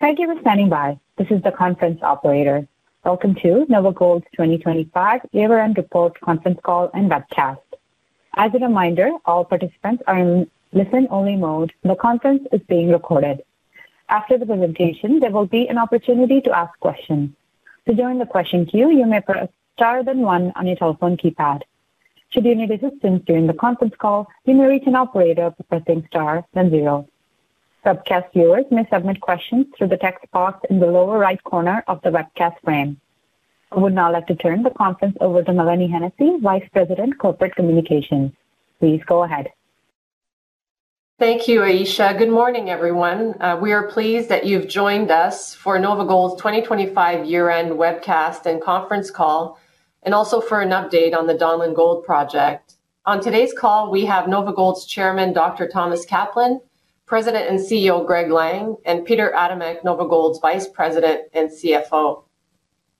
Thank you for standing by. This is the conference operator. Welcome to NOVAGOLD's 2025 Year-End Reports conference call and webcast. As a reminder, all participants are in listen-only mode. The conference is being recorded. After the presentation, there will be an opportunity to ask questions. To join the question queue, you may press star then one on your telephone keypad. Should you need assistance during the conference call, you may reach an operator by pressing star then zero. Webcast viewers may submit questions through the text box in the lower right corner of the webcast frame. I would now like to turn the conference over to Mélanie Hennessey, Vice President, Corporate Communications. Please go ahead. Thank you, Ayesha. Good morning, everyone. We are pleased that you've joined us for NOVAGOLD's 2025 Year-End Webcast and Conference Call, and also for an update on the Donlin Gold Project. On today's call, we have NOVAGOLD's Chairman, Dr. Thomas Kaplan, President and CEO Greg Lang, and Peter Adamek, NOVAGOLD's Vice President and CFO.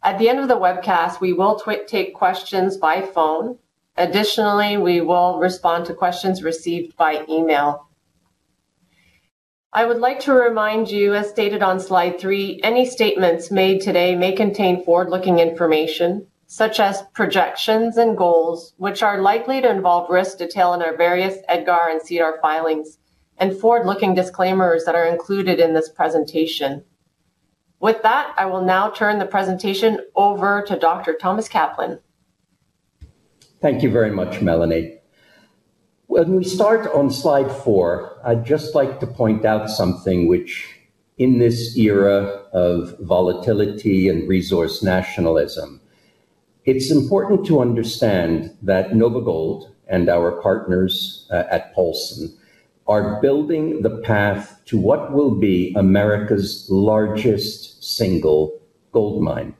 At the end of the webcast, we will take questions by phone. Additionally, we will respond to questions received by email. I would like to remind you, as stated on Slide 3, any statements made today may contain forward-looking information, such as projections and goals, which are likely to involve risks detailed in our various EDGAR and SEDAR filings, and forward-looking disclaimers that are included in this presentation. With that, I will now turn the presentation over to Dr. Thomas Kaplan. Thank you very much, Mélanie. When we start on Slide 4, I'd just like to point out something which, in this era of volatility and resource nationalism, it's important to understand that NOVAGOLD and our partners at Paulson are building the path to what will be America's largest single gold mine.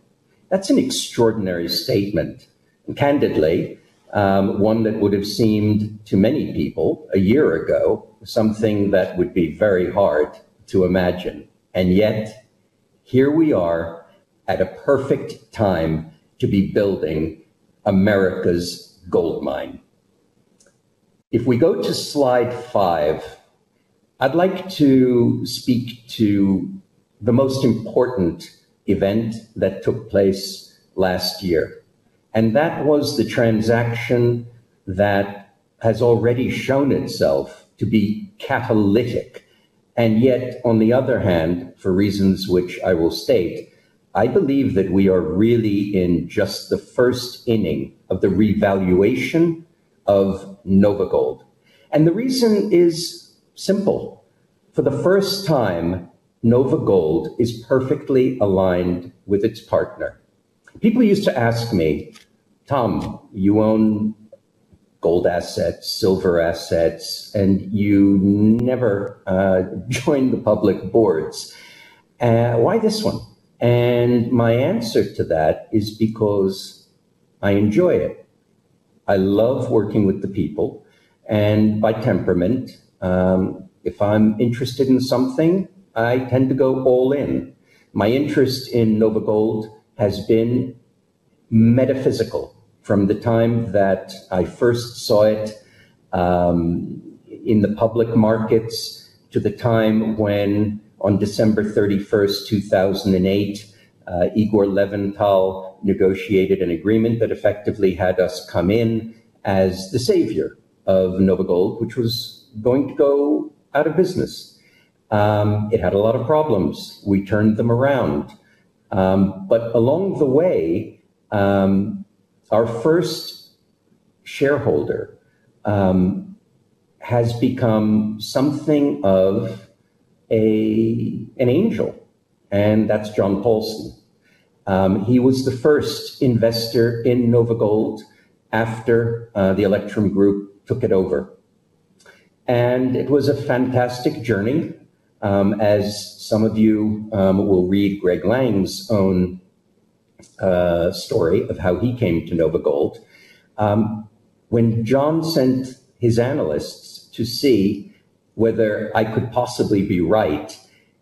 That's an extraordinary statement, and candidly, one that would have seemed to many people a year ago something that would be very hard to imagine, and yet here we are at a perfect time to be building America's gold mine. If we go to Slide 5, I'd like to speak to the most important event that took place last year, and that was the transaction that has already shown itself to be catalytic. And yet, on the other hand, for reasons which I will state, I believe that we are really in just the first inning of the revaluation of NOVAGOLD. And the reason is simple. For the first time, NOVAGOLD is perfectly aligned with its partner. People used to ask me, "Tom, you own gold assets, silver assets, and you never join the public boards. Why this one?" And my answer to that is because I enjoy it. I love working with the people, and by temperament, if I'm interested in something, I tend to go all in. My interest in NOVAGOLD has been metaphysical from the time that I first saw it in the public markets to the time when, on December 31, 2008, Igor Levental negotiated an agreement that effectively had us come in as the savior of NOVAGOLD, which was going to go out of business. It had a lot of problems. We turned them around, but along the way, our first shareholder has become something of an angel, and that's John Paulson. He was the first investor in NOVAGOLD after the Electrum Group took it over, and it was a fantastic journey, as some of you will read Greg Lang's own story of how he came to NOVAGOLD. When John sent his analysts to see whether I could possibly be right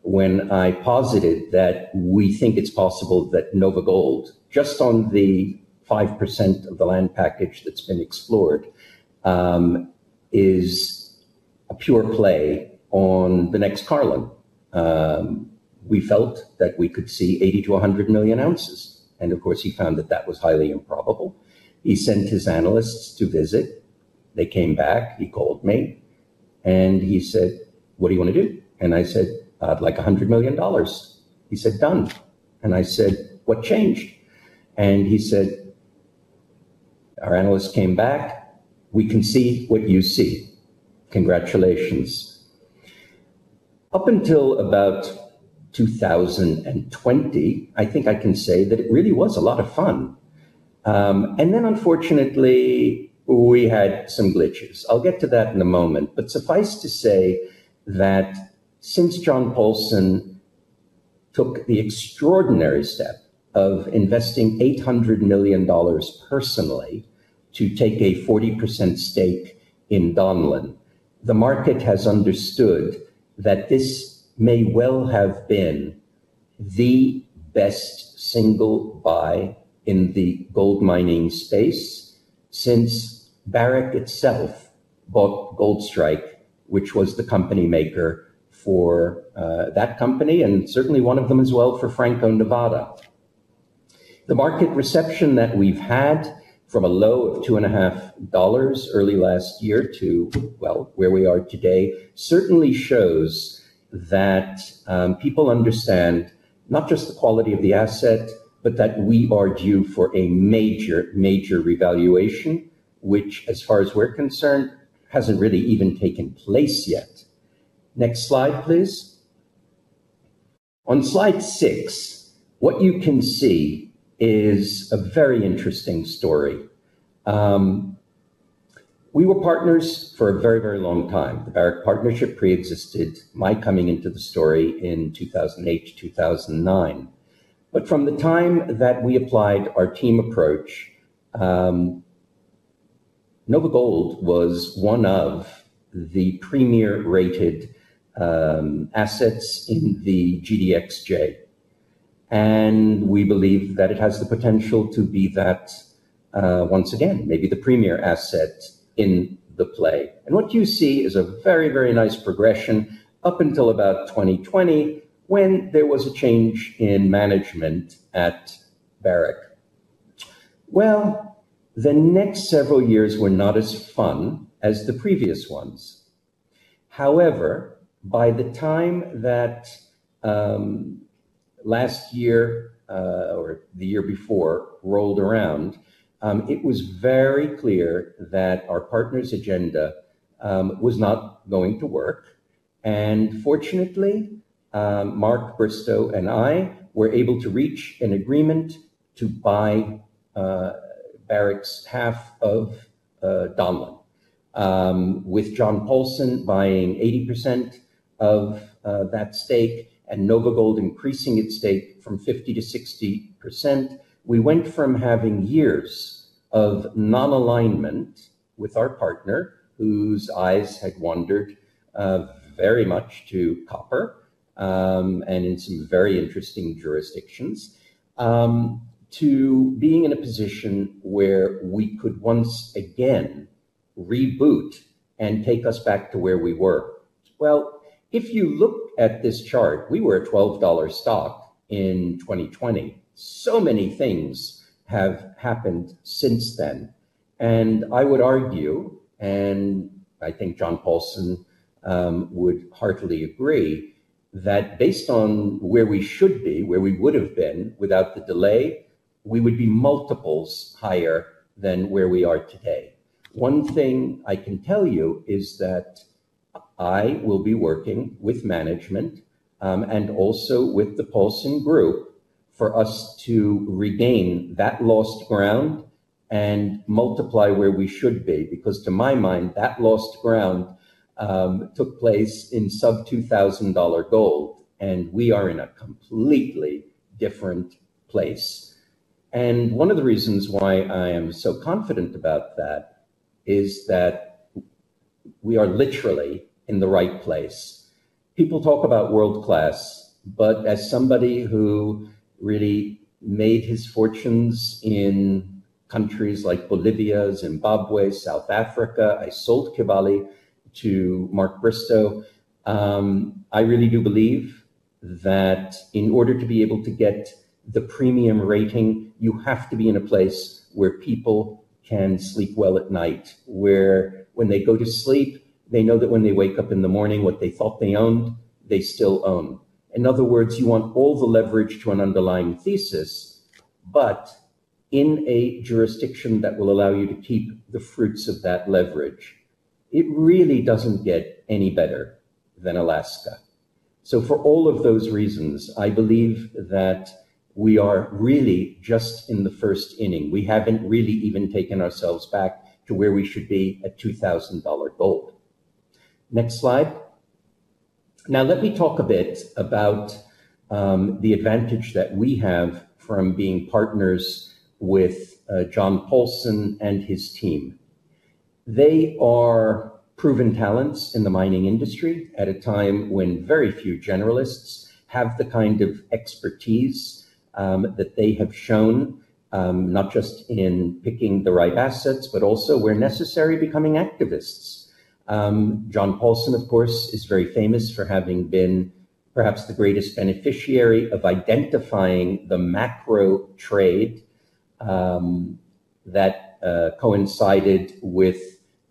when I posited that we think it's possible that NOVAGOLD, just on the 5% of the land package that's been explored, is a pure play on the next Carlin, we felt that we could see 80-100 million ounces. Of course, he found that that was highly improbable. He sent his analysts to visit. They came back. He called me, and he said, "What do you want to do?" And I said, "I'd like $100 million." He said, "Done." And I said, "What changed?" And he said, "Our analysts came back. We can see what you see. Congratulations." Up until about 2020, I think I can say that it really was a lot of fun. And then, unfortunately, we had some glitches. I'll get to that in a moment. But suffice to say that since John Paulson took the extraordinary step of investing $800 million personally to take a 40% stake in Donlin, the market has understood that this may well have been the best single buy in the gold mining space since Barrick itself bought Goldstrike, which was the company maker for that company, and certainly one of them as well for Franco-Nevada. The market reception that we've had from a low of $2.50 early last year to, well, where we are today certainly shows that people understand not just the quality of the asset, but that we are due for a major, major revaluation, which, as far as we're concerned, hasn't really even taken place yet. Next slide, please. On Slide 6, what you can see is a very interesting story. We were partners for a very, very long time. The Barrick partnership preexisted my coming into the story in 2008, 2009. But from the time that we applied our team approach, NOVAGOLD was one of the premier-rated assets in the GDXJ. And we believe that it has the potential to be that once again, maybe the premier asset in the play. What you see is a very, very nice progression up until about 2020, when there was a change in management at Barrick. The next several years were not as fun as the previous ones. However, by the time that last year or the year before rolled around, it was very clear that our partner's agenda was not going to work. Fortunately, Mark Bristow and I were able to reach an agreement to buy Barrick's half of Donlin, with John Paulson buying 80% of that stake and NOVAGOLD increasing its stake from 50% to 60%. We went from having years of non-alignment with our partner, whose eyes had wandered very much to copper and in some very interesting jurisdictions, to being in a position where we could once again reboot and take us back to where we were. If you look at this chart, we were a $12 stock in 2020. Many things have happened since then. I would argue, and I think John Paulson would heartily agree, that based on where we should be, where we would have been without the delay, we would be multiples higher than where we are today. One thing I can tell you is that I will be working with management and also with the Paulson Group for us to regain that lost ground and multiply where we should be, because to my mind, that lost ground took place in sub-$2,000 gold, and we are in a completely different place. One of the reasons why I am so confident about that is that we are literally in the right place. People talk about world-class, but as somebody who really made his fortunes in countries like Bolivia, Zimbabwe, South Africa, I sold Kibali to Mark Bristow. I really do believe that in order to be able to get the premium rating, you have to be in a place where people can sleep well at night, where when they go to sleep, they know that when they wake up in the morning, what they thought they owned, they still own. In other words, you want all the leverage to an underlying thesis, but in a jurisdiction that will allow you to keep the fruits of that leverage. It really doesn't get any better than Alaska. So for all of those reasons, I believe that we are really just in the first inning. We haven't really even taken ourselves back to where we should be at $2,000 gold. Next slide. Now, let me talk a bit about the advantage that we have from being partners with John Paulson and his team. They are proven talents in the mining industry at a time when very few generalists have the kind of expertise that they have shown, not just in picking the right assets, but also, where necessary, becoming activists. John Paulson, of course, is very famous for having been perhaps the greatest beneficiary of identifying the macro trade that coincided with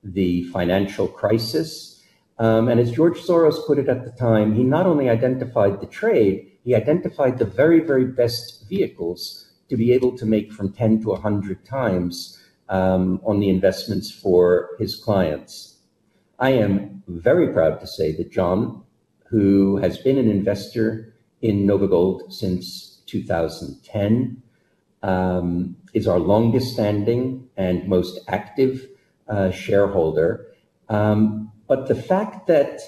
the financial crisis, and as George Soros put it at the time, he not only identified the trade, he identified the very, very best vehicles to be able to make from 10 to 100 times on the investments for his clients. I am very proud to say that John, who has been an investor in NOVAGOLD since 2010, is our longest-standing and most active shareholder. But the fact that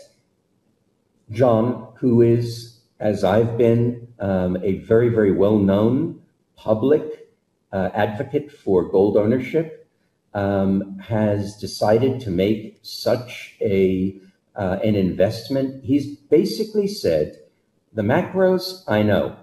John, who is, as I've been, a very, very well-known public advocate for gold ownership, has decided to make such an investment, he's basically said, "The macros, I know.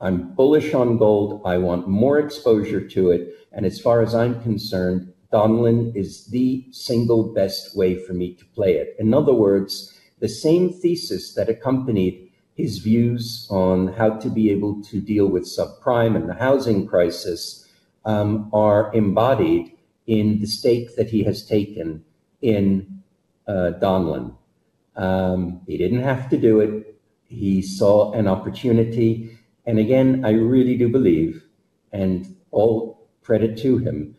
I'm bullish on gold. I want more exposure to it. And as far as I'm concerned, Donlin is the single best way for me to play it." In other words, the same thesis that accompanied his views on how to be able to deal with subprime and the housing crisis are embodied in the stake that he has taken in Donlin. He didn't have to do it. He saw an opportunity. And again, I really do believe, and all credit to him,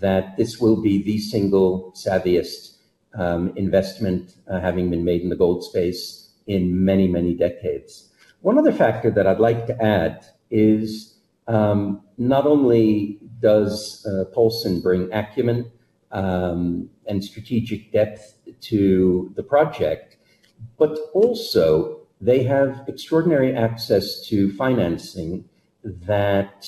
that this will be the single savviest investment having been made in the gold space in many, many decades. One other factor that I'd like to add is not only does Paulson bring acumen and strategic depth to the project, but also they have extraordinary access to financing that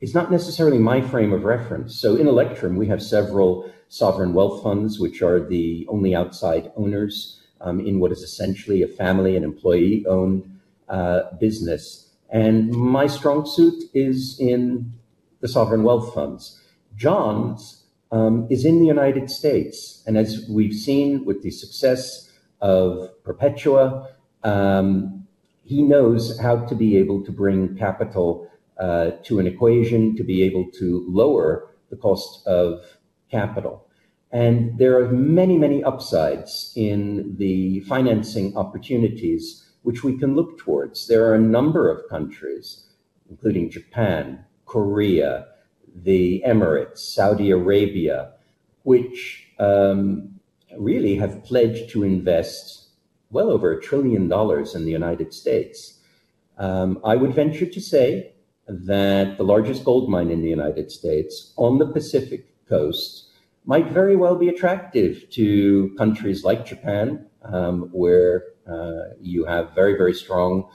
is not necessarily my frame of reference. So in Electrum, we have several sovereign wealth funds, which are the only outside owners in what is essentially a family and employee-owned business. And my strong suit is in the sovereign wealth funds. John's is in the United States. And as we've seen with the success of Perpetua, he knows how to be able to bring capital to an equation to be able to lower the cost of capital. And there are many, many upsides in the financing opportunities which we can look towards. There are a number of countries, including Japan, Korea, the Emirates, Saudi Arabia, which really have pledged to invest well over $1 trillion in the United States. I would venture to say that the largest gold mine in the United States on the Pacific Coast might very well be attractive to countries like Japan, where you have very, very strong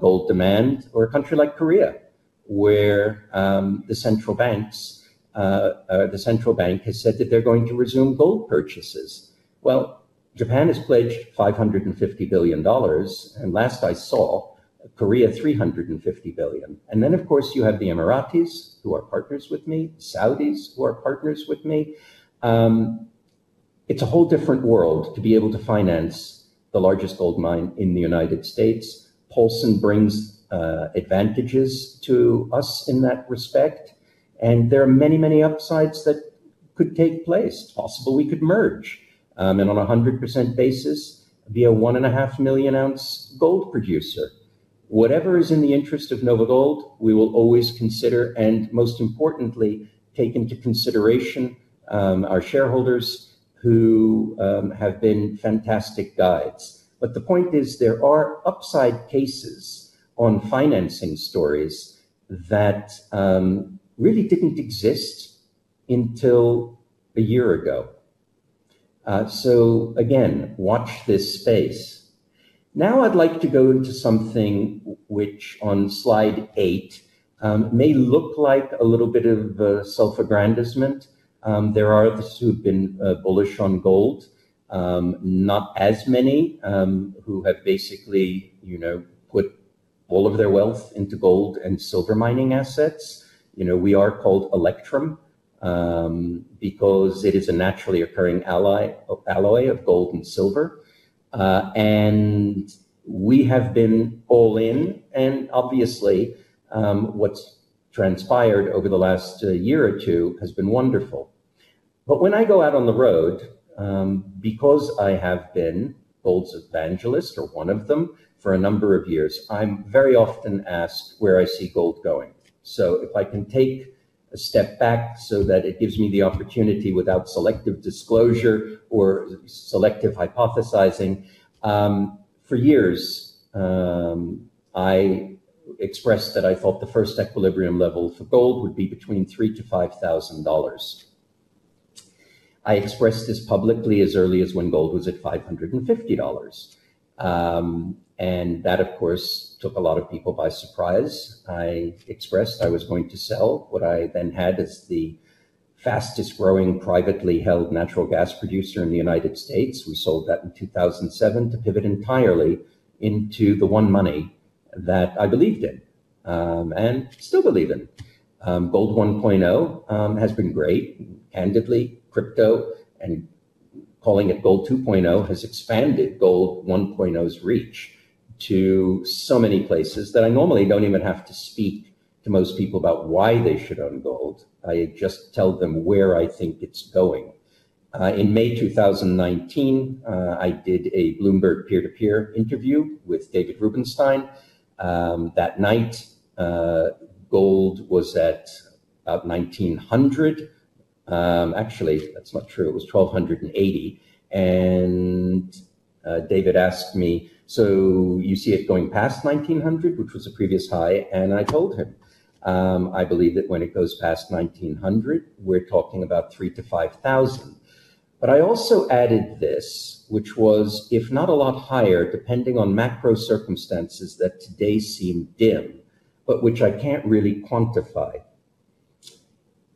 gold demand, or a country like Korea, where the central banks or the central bank has said that they're going to resume gold purchases. Japan has pledged $550 billion, and last I saw, Korea $350 billion. And then, of course, you have the Emiratis, who are partners with me, the Saudis, who are partners with me. It's a whole different world to be able to finance the largest gold mine in the United States. Paulson brings advantages to us in that respect. And there are many, many upsides that could take place. It's possible we could merge and on a 100% basis be a 1.5 million ounce gold producer. Whatever is in the interest of NOVAGOLD, we will always consider and, most importantly, take into consideration our shareholders who have been fantastic guides. But the point is there are upside cases on financing stories that really didn't exist until a year ago. So again, watch this space. Now, I'd like to go into something which on Slide 8 may look like a little bit of self-aggrandizement. There are others who have been bullish on gold, not as many who have basically put all of their wealth into gold and silver mining assets. We are called Electrum because it is a naturally occurring alloy of gold and silver. And we have been all in. And obviously, what's transpired over the last year or two has been wonderful. But when I go out on the road, because I have been gold's evangelist or one of them for a number of years, I'm very often asked where I see gold going. So if I can take a step back so that it gives me the opportunity without selective disclosure or selective hypothesizing, for years, I expressed that I thought the first equilibrium level for gold would be between $3,000 and $5,000. I expressed this publicly as early as when gold was at $550. And that, of course, took a lot of people by surprise. I expressed I was going to sell what I then had as the fastest-growing privately-held natural gas producer in the United States. We sold that in 2007 to pivot entirely into the one money that I believed in and still believe in. Gold 1.0 has been great. Candidly, crypto and calling it Gold 2.0 has expanded Gold 1.0's reach to so many places that I normally don't even have to speak to most people about why they should own gold. I just tell them where I think it's going. In May 2019, I did a Bloomberg peer-to-peer interview with David Rubenstein. That night, gold was at about $1,900. Actually, that's not true. It was $1,280. And David asked me, "So you see it going past $1,900, which was the previous high?" And I told him, "I believe that when it goes past $1,900, we're talking about $3,000-$5,000." But I also added this, which was, "If not a lot higher, depending on macro circumstances that today seem dim, but which I can't really quantify."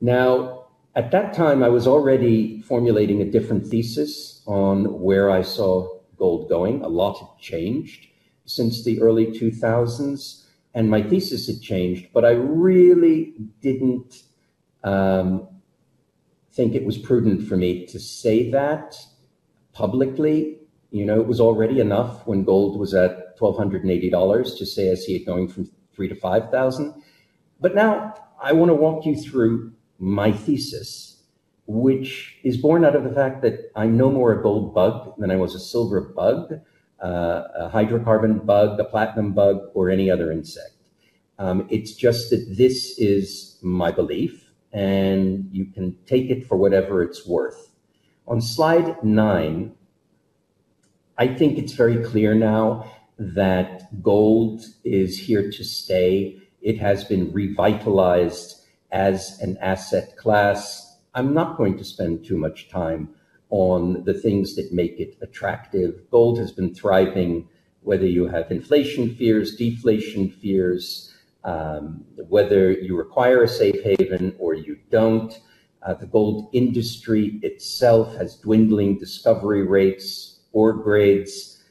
Now, at that time, I was already formulating a different thesis on where I saw gold going. A lot had changed since the early 2000s, and my thesis had changed, but I really didn't think it was prudent for me to say that publicly. It was already enough when gold was at $1,280 to say I see it going from $3,000 to $5,000. But now, I want to walk you through my thesis, which is born out of the fact that I'm no more a gold bug than I was a silver bug, a hydrocarbon bug, a platinum bug, or any other insect. It's just that this is my belief, and you can take it for whatever it's worth. On Slide 9, I think it's very clear now that gold is here to stay. It has been revitalized as an asset class. I'm not going to spend too much time on the things that make it attractive. Gold has been thriving, whether you have inflation fears, deflation fears, whether you require a safe haven or you don't. The gold industry itself has dwindling discovery rates. Ore grades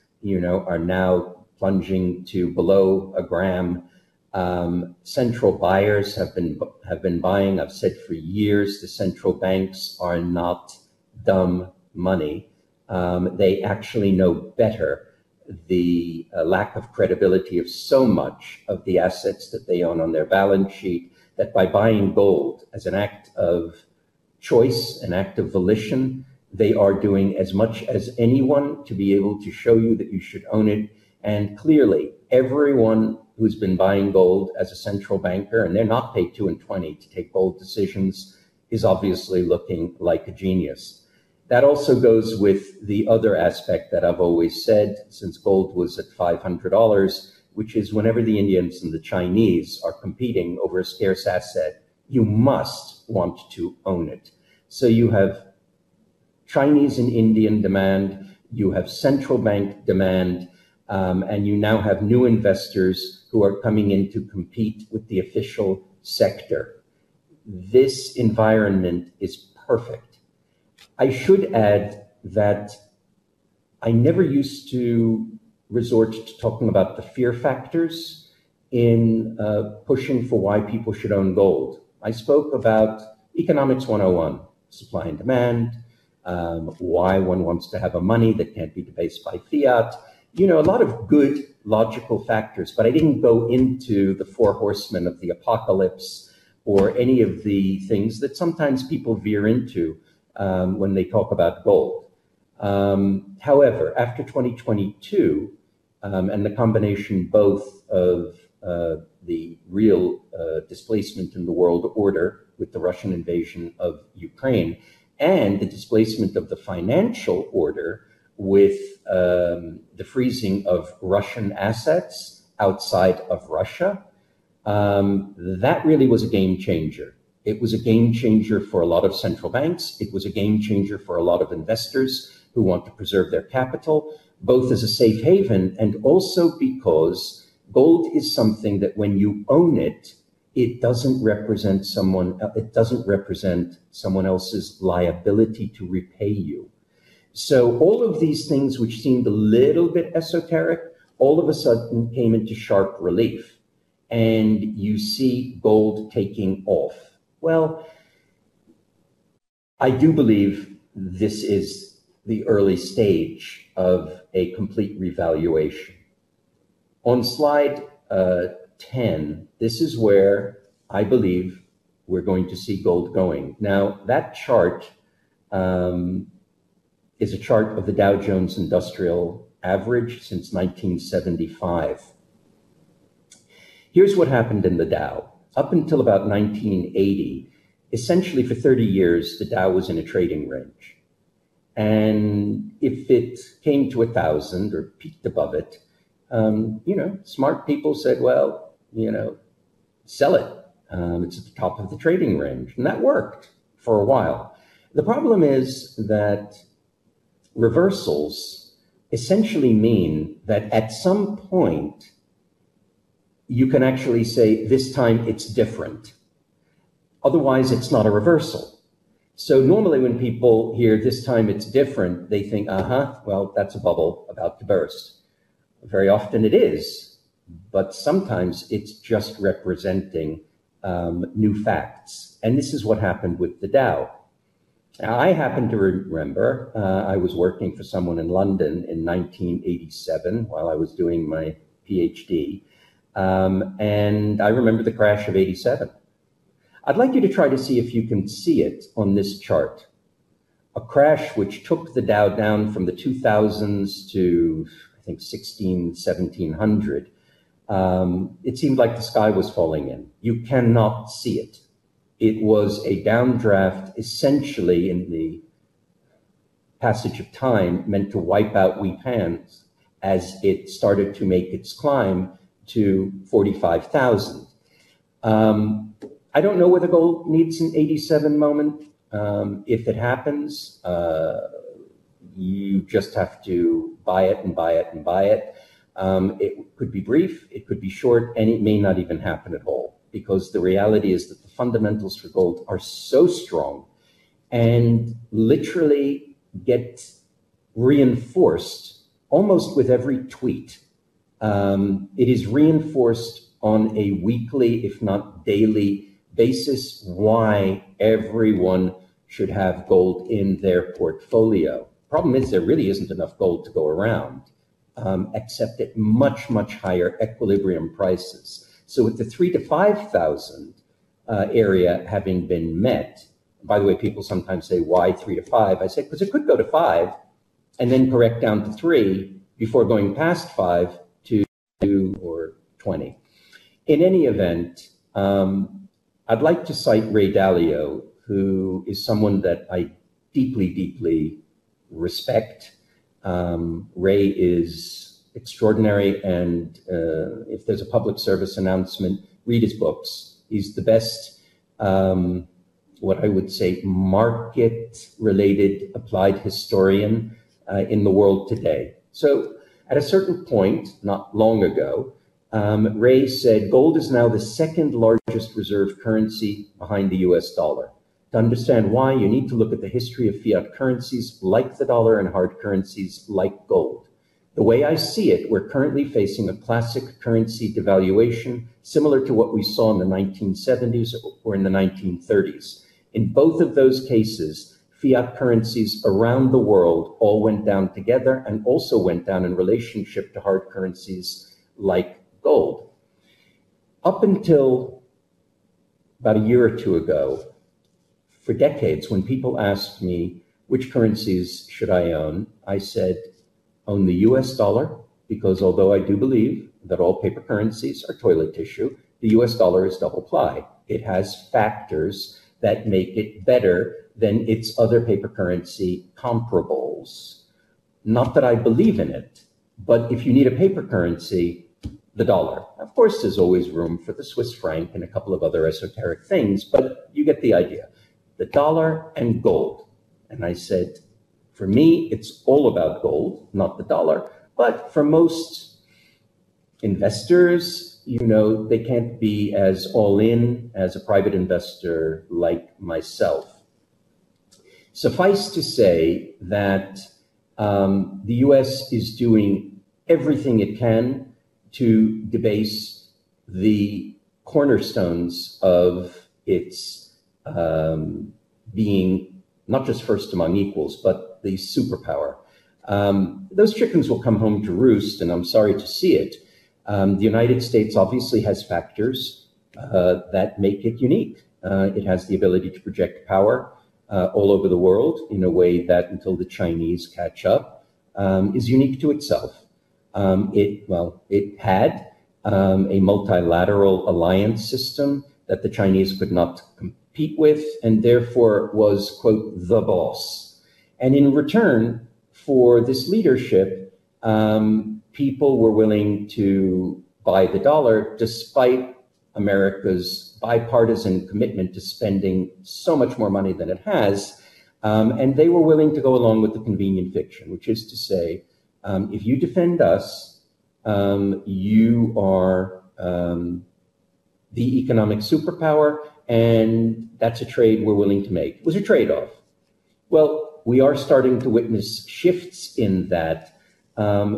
are now plunging to below 1 g. Central banks have been buying. I've said for years the central banks are not dumb money. They actually know better the lack of credibility of so much of the assets that they own on their balance sheet that by buying gold as an act of choice, an act of volition, they are doing as much as anyone to be able to show you that you should own it. Clearly, everyone who's been buying gold as a central banker, and they're not paid 2 and 20 to take bold decisions, is obviously looking like a genius. That also goes with the other aspect that I've always said since gold was at $500, which is whenever the Indians and the Chinese are competing over a scarce asset, you must want to own it. So you have Chinese and Indian demand. You have central bank demand. And you now have new investors who are coming in to compete with the official sector. This environment is perfect. I should add that I never used to resort to talking about the fear factors in pushing for why people should own gold. I spoke about economics 101, supply and demand, why one wants to have a money that can't be debased by fiat, a lot of good logical factors. But I didn't go into the Four Horsemen of the Apocalypse or any of the things that sometimes people veer into when they talk about gold. However, after 2022 and the combination both of the real displacement in the world order with the Russian invasion of Ukraine and the displacement of the financial order with the freezing of Russian assets outside of Russia, that really was a game changer. It was a game changer for a lot of central banks. It was a game changer for a lot of investors who want to preserve their capital, both as a safe haven and also because gold is something that when you own it, it doesn't represent someone else's liability to repay you. So all of these things which seemed a little bit esoteric all of a sudden came into sharp relief, and you see gold taking off. Well, I do believe this is the early stage of a complete revaluation. On Slide 10, this is where I believe we're going to see gold going. Now, that chart is a chart of the Dow Jones Industrial Average since 1975. Here's what happened in the Dow. Up until about 1980, essentially for 30 years, the Dow was in a trading range. And if it came to 1,000 or peaked above it, smart people said, "Well, sell it. It's at the top of the trading range." And that worked for a while. The problem is that reversals essentially mean that at some point, you can actually say, "This time, it's different." Otherwise, it's not a reversal. So normally, when people hear, "This time, it's different," they think, "Aha, well, that's a bubble about to burst." Very often, it is. But sometimes, it's just representing new facts. And this is what happened with the Dow. I happen to remember I was working for someone in London in 1987 while I was doing my PhD. I remember the crash of 1987. I'd like you to try to see if you can see it on this chart. A crash which took the Dow down from the $2000s to, I think, $1600, $1700. It seemed like the sky was falling in. You cannot see it. It was a downdraft essentially in the passage of time meant to wipe out weak hands as it started to make its climb to 45,000. I don't know whether gold needs a 1987 moment. If it happens, you just have to buy it and buy it and buy it. It could be brief. It could be short. It may not even happen at all because the reality is that the fundamentals for gold are so strong and literally get reinforced almost with every tweet. It is reinforced on a weekly, if not daily basis, why everyone should have gold in their portfolio. Problem is there really isn't enough gold to go around except at much, much higher equilibrium prices. So with the $3,000-$5,000 area having been met, by the way, people sometimes say, "Why 3 to 5?" I say, "Because it could go to 5 and then correct down to 3 before going past 5 to 2 or 20." In any event, I'd like to cite Ray Dalio, who is someone that I deeply, deeply respect. Ray is extraordinary. And if there's a public service announcement, read his books. He's the best, what I would say, market-related applied historian in the world today. So at a certain point, not long ago, Ray said, "Gold is now the second largest reserve currency behind the U.S. dollar." To understand why, you need to look at the history of fiat currencies like the dollar and hard currencies like gold. The way I see it, we're currently facing a classic currency devaluation similar to what we saw in the 1970s or in the 1930s. In both of those cases, fiat currencies around the world all went down together and also went down in relationship to hard currencies like gold. Up until about a year or two ago, for decades, when people asked me which currencies should I own, I said, "Own the U.S. dollar because although I do believe that all paper currencies are toilet tissue, the U.S. dollar is double ply. It has factors that make it better than its other paper currency comparables. Not that I believe in it, but if you need a paper currency, the dollar. Of course, there's always room for the Swiss franc and a couple of other esoteric things, but you get the idea. "The dollar and gold," and I said, "For me, it's all about gold, not the dollar. But for most investors, they can't be as all-in as a private investor like myself." Suffice to say that the U.S. is doing everything it can to debase the cornerstones of its being not just first among equals, but the superpower. Those chickens will come home to roost, and I'm sorry to see it. The United States obviously has factors that make it unique. It has the ability to project power all over the world in a way that until the Chinese catch up, is unique to itself. Well, it had a multilateral alliance system that the Chinese could not compete with and therefore was, quote, "the boss." And in return for this leadership, people were willing to buy the dollar despite America's bipartisan commitment to spending so much more money than it has. And they were willing to go along with the convenient fiction, which is to say, "If you defend us, you are the economic superpower, and that's a trade we're willing to make." It was a trade-off. Well, we are starting to witness shifts in that,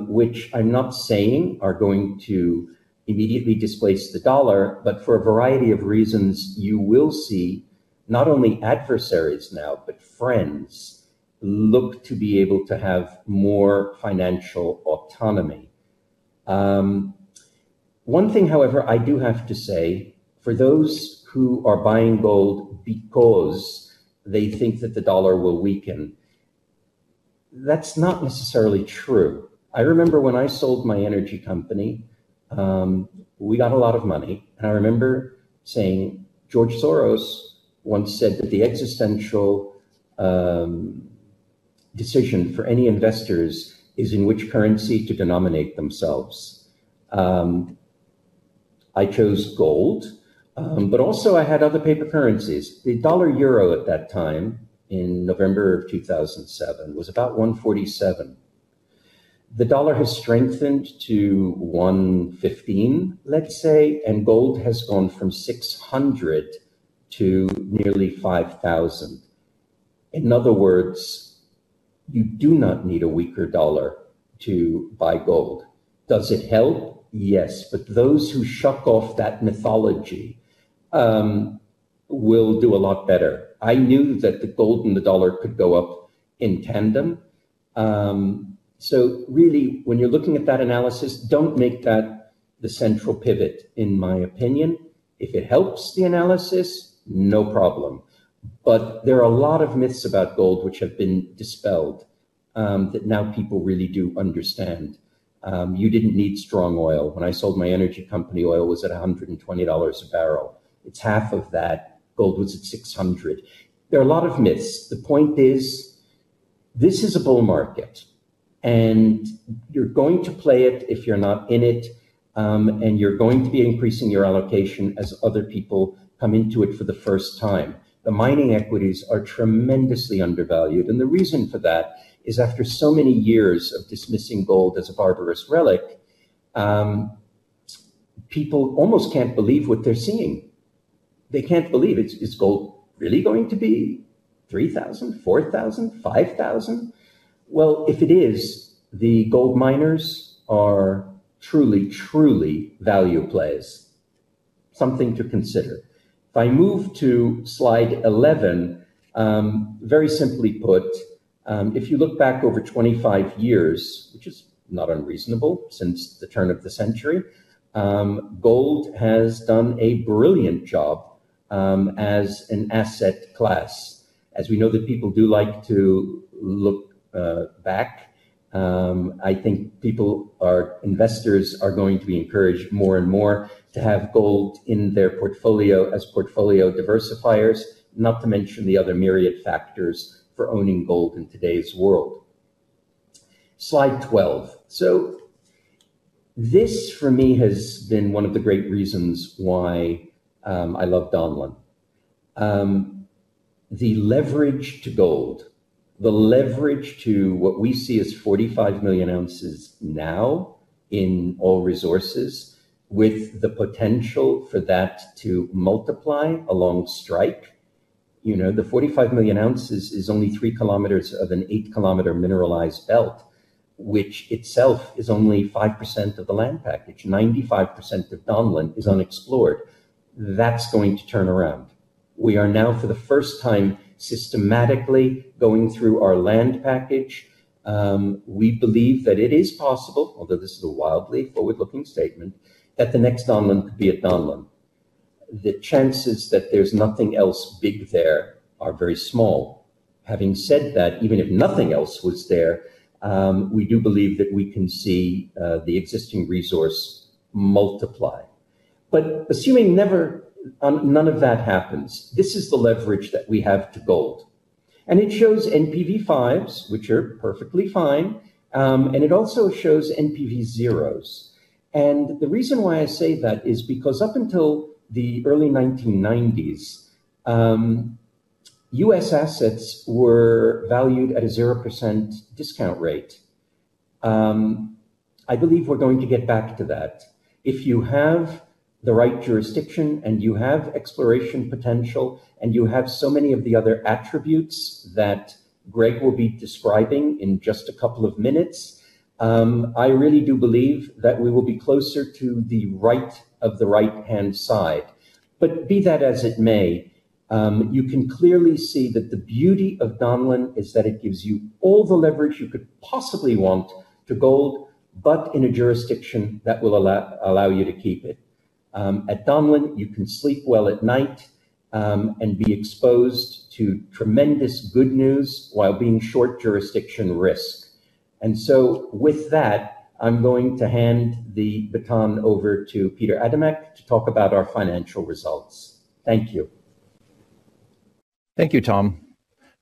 which I'm not saying are going to immediately displace the dollar, but for a variety of reasons, you will see not only adversaries now, but friends look to be able to have more financial autonomy. One thing, however, I do have to say for those who are buying gold because they think that the dollar will weaken, that's not necessarily true. I remember when I sold my energy company, we got a lot of money, and I remember saying George Soros once said that the existential decision for any investors is in which currency to denominate themselves. I chose gold, but also I had other paper currencies. The dollar/euro at that time in November of 2007 was about $1.47. The dollar has strengthened to $1.15, let's say, and gold has gone from $600 to nearly $5,000. In other words, you do not need a weaker dollar to buy gold. Does it help? Yes. But those who shuck off that mythology will do a lot better. I knew that the gold and the dollar could go up in tandem. So really, when you're looking at that analysis, don't make that the central pivot, in my opinion. If it helps the analysis, no problem. But there are a lot of myths about gold which have been dispelled that now people really do understand. You didn't need strong oil. When I sold my energy company, oil was at $120 a barrel. It's half of that. Gold was at $600. There are a lot of myths. The point is this is a bull market, and you're going to play it if you're not in it, and you're going to be increasing your allocation as other people come into it for the first time. The mining equities are tremendously undervalued. And the reason for that is after so many years of dismissing gold as a barbarous relic, people almost can't believe what they're seeing. They can't believe it's gold really going to be $3,000, $4,000, $5,000. Well, if it is, the gold miners are truly, truly value players. Something to consider. If I move to Slide 11, very simply put, if you look back over 25 years, which is not unreasonable since the turn of the century, gold has done a brilliant job as an asset class. As we know that people do like to look back, I think investors are going to be encouraged more and more to have gold in their portfolio as portfolio diversifiers, not to mention the other myriad factors for owning gold in today's world. Slide 12. So this, for me, has been one of the great reasons why I love Donlin. The leverage to gold, the leverage to what we see as 45 million ounces now in all resources with the potential for that to multiply along strike. The 45 million ounces is only 3 km of an 8-km mineralized belt, which itself is only 5% of the land package. 95% of Donlin is unexplored. That's going to turn around. We are now, for the first time, systematically going through our land package. We believe that it is possible, although this is a wildly forward-looking statement, that the next Donlin could be a Donlin. The chances that there's nothing else big there are very small. Having said that, even if nothing else was there, we do believe that we can see the existing resource multiply. But assuming none of that happens, this is the leverage that we have to gold. And it shows NPV 5s, which are perfectly fine. And it also shows NPV 0s. And the reason why I say that is because up until the early 1990s, U.S. assets were valued at a 0% discount rate. I believe we're going to get back to that. If you have the right jurisdiction and you have exploration potential and you have so many of the other attributes that Greg will be describing in just a couple of minutes, I really do believe that we will be closer to the right of the right-hand side. But be that as it may, you can clearly see that the beauty of Donlin is that it gives you all the leverage you could possibly want to gold, but in a jurisdiction that will allow you to keep it. At Donlin, you can sleep well at night and be exposed to tremendous good news while being short jurisdiction risk. And so with that, I'm going to hand the baton over to Peter Adamek to talk about our financial results. Thank you. Thank you, Tom.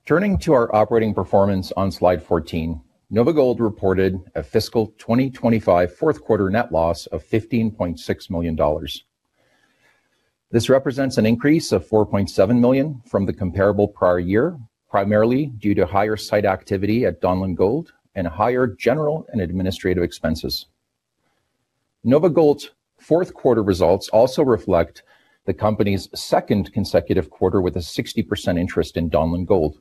Turning to our operating performance on Slide 14, NOVAGOLD reported a fiscal 2025 fourth quarter net loss of $15.6 million. This represents an increase of $4.7 million from the comparable prior year, primarily due to higher site activity at Donlin Gold and higher general and administrative expenses. NOVAGOLD's fourth quarter results also reflect the company's second consecutive quarter with a 60% interest in Donlin Gold.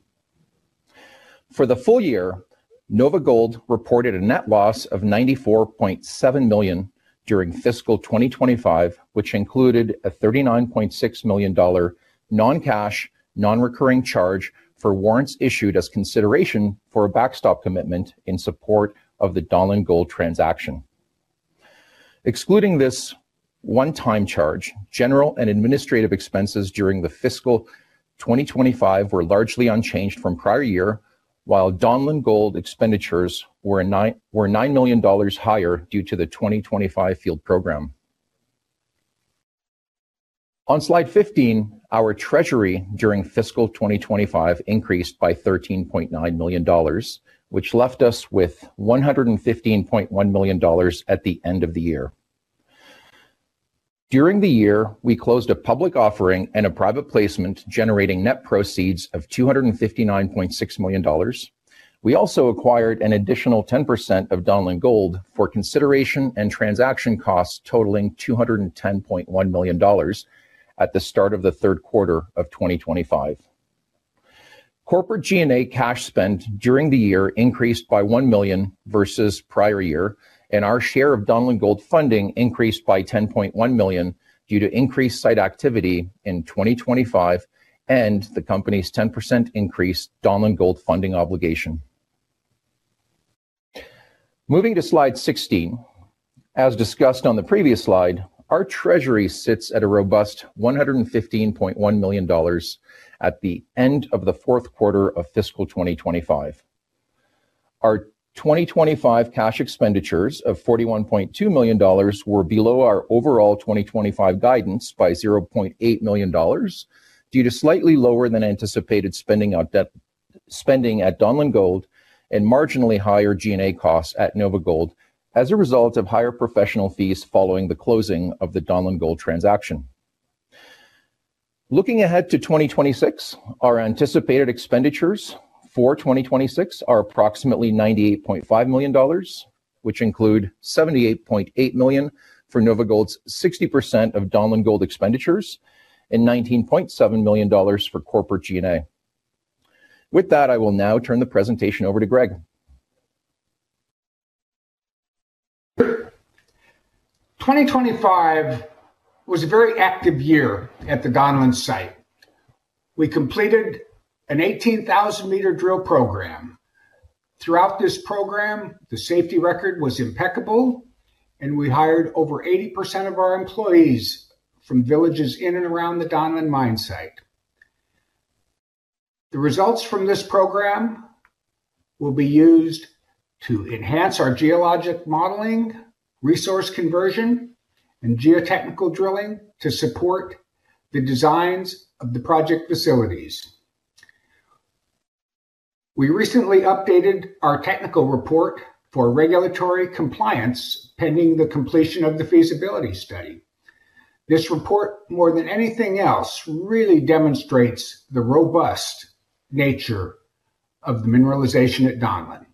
For the full year, NOVAGOLD reported a net loss of $94.7 million during fiscal 2025, which included a $39.6 million non-cash, non-recurring charge for warrants issued as consideration for a backstop commitment in support of the Donlin Gold transaction. Excluding this one-time charge, general and administrative expenses during the fiscal 2025 were largely unchanged from prior year, while Donlin Gold expenditures were $9 million higher due to the 2025 field program. On Slide 15, our treasury during fiscal 2025 increased by $13.9 million, which left us with $115.1 million at the end of the year. During the year, we closed a public offering and a private placement generating net proceeds of $259.6 million. We also acquired an additional 10% of Donlin Gold for consideration and transaction costs totaling $210.1 million at the start of the third quarter of 2025. Corporate G&A cash spend during the year increased by one million versus prior year, and our share of Donlin Gold funding increased by $10.1 million due to increased site activity in 2025 and the company's 10% increased Donlin Gold funding obligation. Moving to Slide 16. As discussed on the previous slide, our treasury sits at a robust $115.1 million at the end of the fourth quarter of fiscal 2025. Our 2025 cash expenditures of $41.2 million were below our overall 2025 guidance by $0.8 million due to slightly lower than anticipated spending at Donlin Gold and marginally higher G&A costs at NOVAGOLD as a result of higher professional fees following the closing of the Donlin Gold transaction. Looking ahead to 2026, our anticipated expenditures for 2026 are approximately $98.5 million, which include $78.8 million for NOVAGOLD's 60% of Donlin Gold expenditures and $19.7 million for corporate G&A. With that, I will now turn the presentation over to Greg. 2025 was a very active year at the Donlin site. We completed an 18,000-m drill program. Throughout this program, the safety record was impeccable, and we hired over 80% of our employees from villages in and around the Donlin mine site. The results from this program will be used to enhance our geologic modeling, resource conversion, and geotechnical drilling to support the designs of the project facilities. We recently updated our technical report for regulatory compliance pending the completion of the feasibility study. This report, more than anything else, really demonstrates the robust nature of the mineralization at Donlin.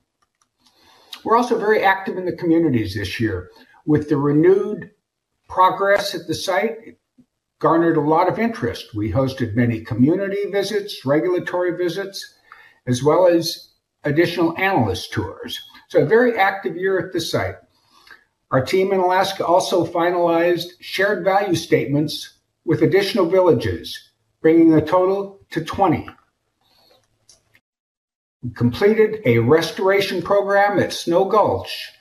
We're also very active in the communities this year. With the renewed progress at the site, it garnered a lot of interest. We hosted many community visits, regulatory visits, as well as additional analyst tours, so a very active year at the site. Our team in Alaska also finalized shared value statements with additional villages, bringing the total to 20. We completed a restoration program at Snow Gulch,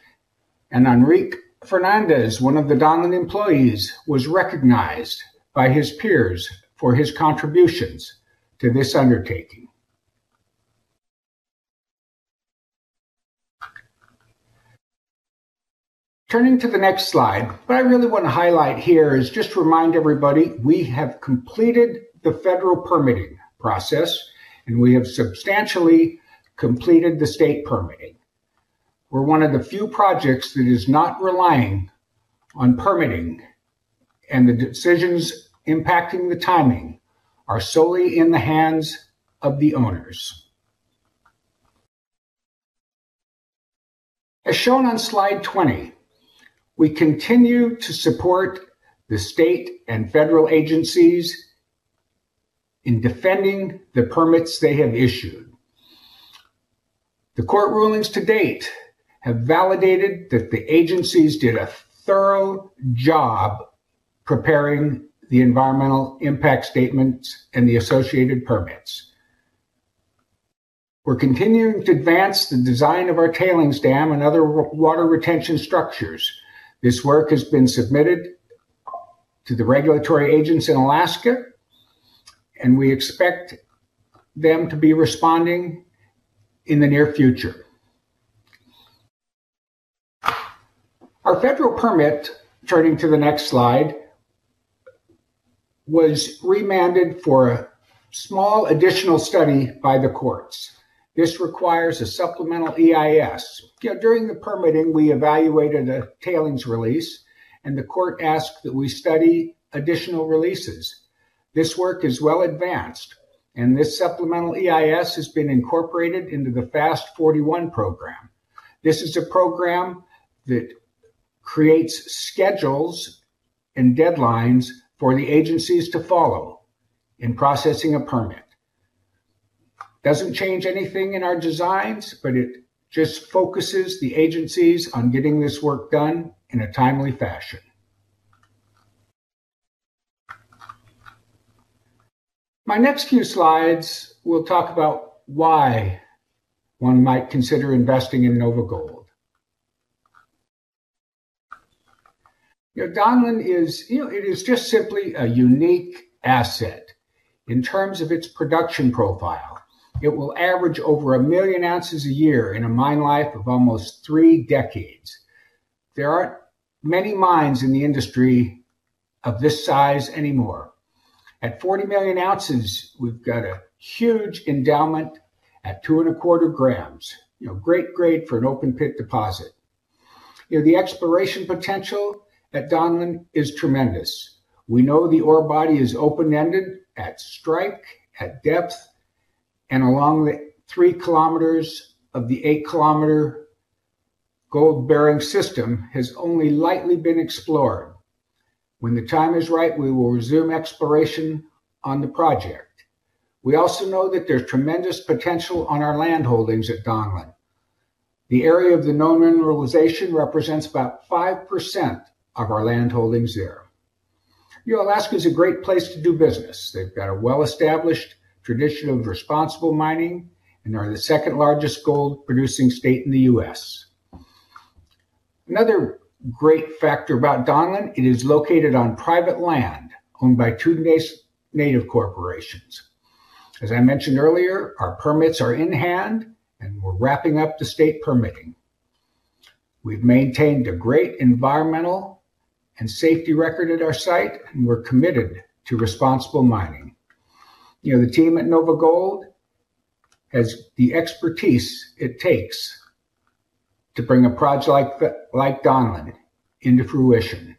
and Enric Fernandez, one of the Donlin employees, was recognized by his peers for his contributions to this undertaking. Turning to the next slide, what I really want to highlight here is just remind everybody we have completed the federal permitting process, and we have substantially completed the state permitting. We're one of the few projects that is not relying on permitting, and the decisions impacting the timing are solely in the hands of the owners. As shown on Slide 20, we continue to support the state and federal agencies in defending the permits they have issued. The court rulings to date have validated that the agencies did a thorough job preparing the environmental impact statements and the associated permits. We're continuing to advance the design of our tailings dam and other water retention structures. This work has been submitted to the regulatory agents in Alaska, and we expect them to be responding in the near future. Our federal permit, turning to the next slide, was remanded for a small additional study by the courts. This requires a supplemental EIS. During the permitting, we evaluated a tailings release, and the court asked that we study additional releases. This work is well advanced, and this supplemental EIS has been incorporated into the FAST-41 program. This is a program that creates schedules and deadlines for the agencies to follow in processing a permit. Doesn't change anything in our designs, but it just focuses the agencies on getting this work done in a timely fashion. My next few slides, we'll talk about why one might consider investing in NOVAGOLD. Donlin is, it is just simply a unique asset. In terms of its production profile, it will average over 1 million ounces a year in a mine life of almost three decades. There aren't many mines in the industry of this size anymore. At 40 million ounces, we've got a huge endowment at 2.25 g. Great, great for an open pit deposit. The exploration potential at Donlin is tremendous. We know the ore body is open-ended at strike, at depth, and along the 3 km of the 8-km gold-bearing system has only lightly been explored. When the time is right, we will resume exploration on the project. We also know that there's tremendous potential on our land holdings at Donlin. The area of the known mineralization represents about 5% of our land holdings there. Alaska is a great place to do business. They've got a well-established tradition of responsible mining and are the second largest gold-producing state in the U.S. Another great factor about Donlin, it is located on private land owned by two native corporations. As I mentioned earlier, our permits are in hand, and we're wrapping up the state permitting. We've maintained a great environmental and safety record at our site, and we're committed to responsible mining. The team at NOVAGOLD has the expertise it takes to bring a project like Donlin into fruition.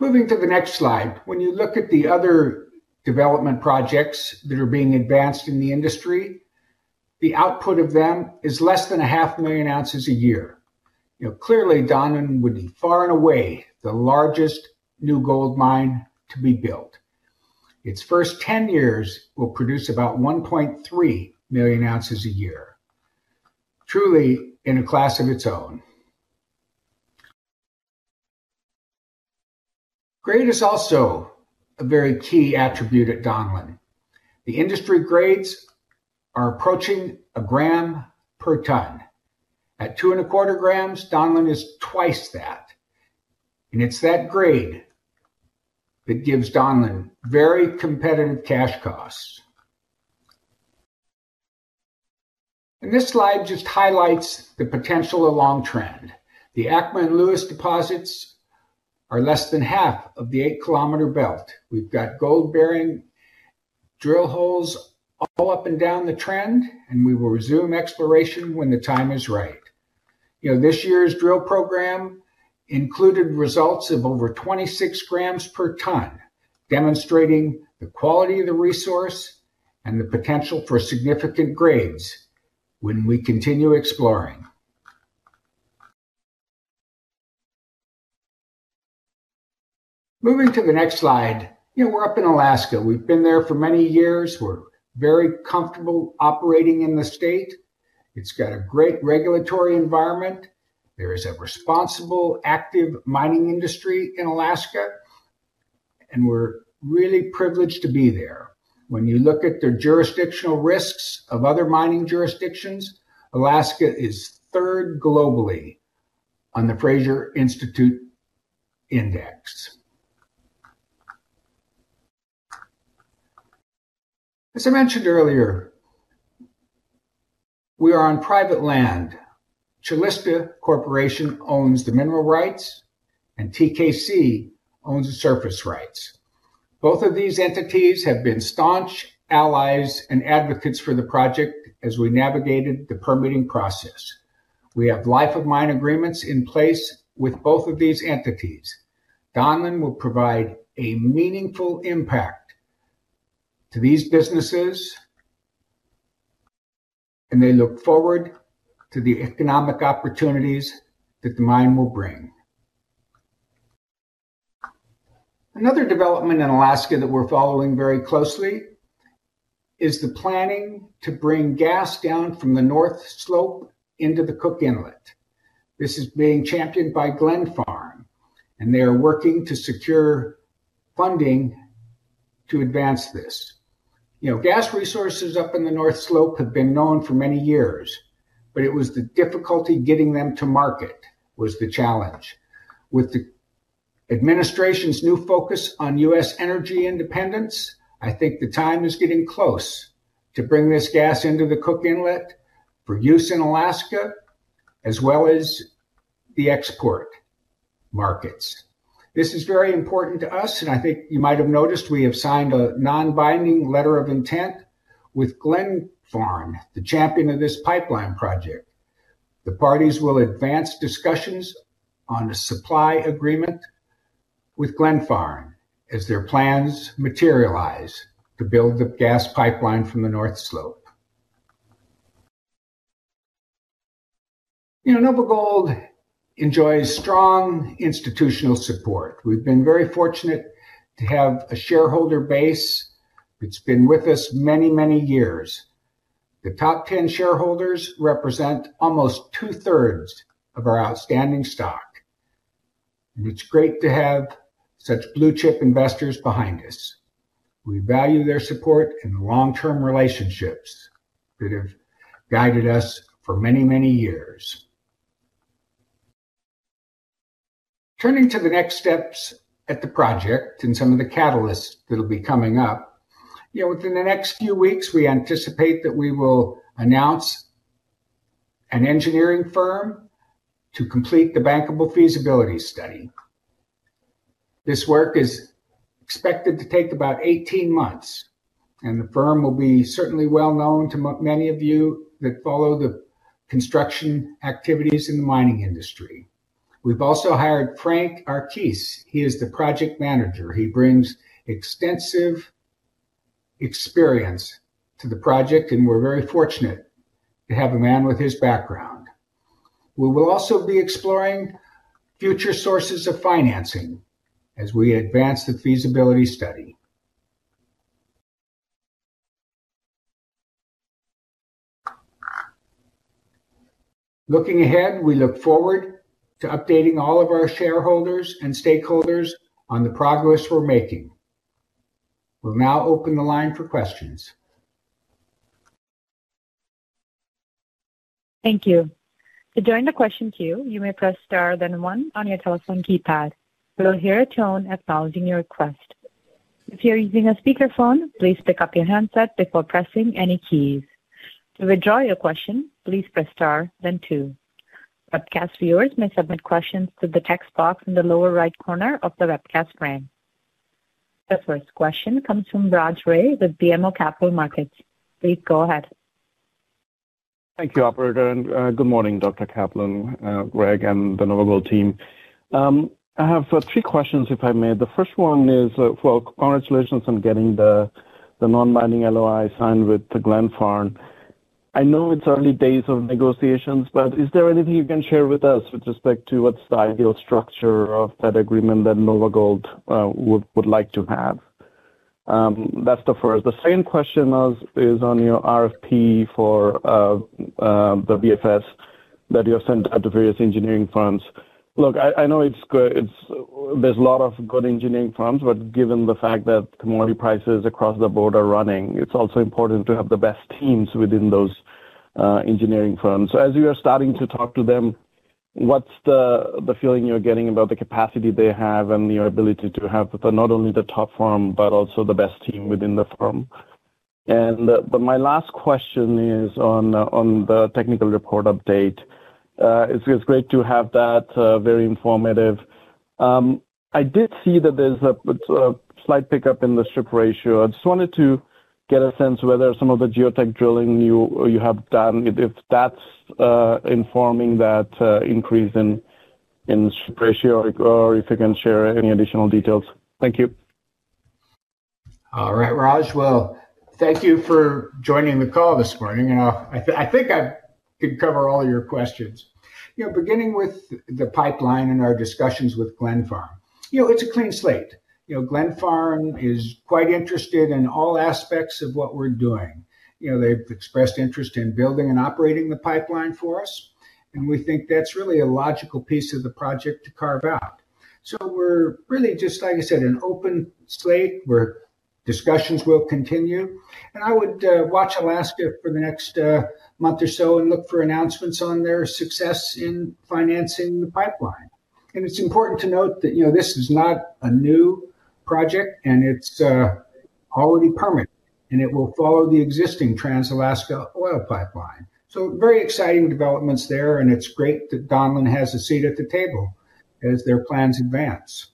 Moving to the next slide, when you look at the other development projects that are being advanced in the industry, the output of them is less than 500,000 ounces a year. Clearly, Donlin would be far and away the largest new gold mine to be built. Its first 10 years will produce about 1.3 million ounces a year. Truly in a class of its own. Grade is also a very key attribute at Donlin. The industry grades are approaching a gram per tonne. At 2.25 g, Donlin is twice that. It's that grade that gives Donlin very competitive cash costs. This slide just highlights the potential along trend. The ACMA Lewis deposits are less than half of the 8-km belt. We've got gold-bearing drill holes all up and down the trend, and we will resume exploration when the time is right. This year's drill program included results of over 26 g/t, demonstrating the quality of the resource and the potential for significant grades when we continue exploring. Moving to the next slide, we're up in Alaska. We've been there for many years. We're very comfortable operating in the state. It's got a great regulatory environment. There is a responsible, active mining industry in Alaska, and we're really privileged to be there. When you look at the jurisdictional risks of other mining jurisdictions, Alaska is third globally on the Fraser Institute Index. As I mentioned earlier, we are on private land. Calista Corporation owns the mineral rights, and TKC owns the surface rights. Both of these entities have been staunch allies and advocates for the project as we navigated the permitting process. We have life-of-mine agreements in place with both of these entities. Donlin will provide a meaningful impact to these businesses, and they look forward to the economic opportunities that the mine will bring. Another development in Alaska that we're following very closely is the planning to bring gas down from the North Slope into the Cook Inlet. This is being championed by Glenfarne Group, and they are working to secure funding to advance this. Gas resources up in the North Slope have been known for many years, but it was the difficulty getting them to market that was the challenge. With the administration's new focus on U.S. energy independence, I think the time is getting close to bring this gas into the Cook Inlet for use in Alaska, as well as the export markets. This is very important to us, and I think you might have noticed we have signed a non-binding letter of intent with Glenfarne, the champion of this pipeline project. The parties will advance discussions on a supply agreement with Glenfarne as their plans materialize to build the gas pipeline from the North Slope. NOVAGOLD enjoys strong institutional support. We've been very fortunate to have a shareholder base that's been with us many, many years. The top 10 shareholders represent almost two-thirds of our outstanding stock. It's great to have such blue-chip investors behind us. We value their support and long-term relationships that have guided us for many, many years. Turning to the next steps at the project and some of the catalysts that will be coming up, within the next few weeks, we anticipate that we will announce an engineering firm to complete the bankable feasibility study. This work is expected to take about 18 months, and the firm will be certainly well known to many of you that follow the construction activities in the mining industry. We've also hired Frank Arcese. He is the project manager. He brings extensive experience to the project, and we're very fortunate to have a man with his background. We will also be exploring future sources of financing as we advance the feasibility study. Looking ahead, we look forward to updating all of our shareholders and stakeholders on the progress we're making. We'll now open the line for questions. Thank you. To join the question queue, you may press star then one on your telephone keypad. You'll hear a tone acknowledging your request. If you're using a speakerphone, please pick up your handset before pressing any keys. To withdraw your question, please press star then two. Webcast viewers may submit questions to the text box in the lower right corner of the webcast frame. The first question comes from Raj Ray with BMO Capital Markets. Please go ahead. Thank you, Operator, and good morning, Dr. Kaplan, Greg, and the NOVAGOLD team. I have three questions, if I may. The first one is, well, congratulations on getting the non-binding LOI signed with Glenfarne Group. I know it's early days of negotiations, but is there anything you can share with us with respect to what's the ideal structure of that agreement that NOVAGOLD would like to have? That's the first. The second question is on your RFP for the BFS that you have sent out to various engineering firms. Look, I know there's a lot of good engineering firms, but given the fact that commodity prices across the board are running, it's also important to have the best teams within those engineering firms. So as you are starting to talk to them, what's the feeling you're getting about the capacity they have and your ability to have not only the top firm, but also the best team within the firm? And my last question is on the technical report update. It's great to have that very informative. I did see that there's a slight pickup in the strip ratio. I just wanted to get a sense whether some of the geotech drilling you have done, if that's informing that increase in strip ratio, or if you can share any additional details. Thank you. All right, Raj, well, thank you for joining the call this morning. I think I can cover all your questions. Beginning with the pipeline and our discussions with Glenfarne, it's a clean slate. Glenfarne is quite interested in all aspects of what we're doing. They've expressed interest in building and operating the pipeline for us, and we think that's really a logical piece of the project to carve out. So we're really just, like I said, an open slate where discussions will continue. And I would watch Alaska for the next month or so and look for announcements on their success in financing the pipeline. And it's important to note that this is not a new project, and it's already permitted, and it will follow the existing Trans-Alaska Oil Pipeline. So very exciting developments there, and it's great that Donlin has a seat at the table as their plans advance.